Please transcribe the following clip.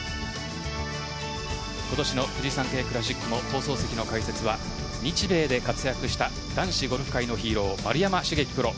今年のフジサンケイクラシックも放送席の解説は日米で活躍した男子ゴルフ界のヒーロー丸山茂樹プロ